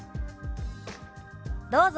どうぞ！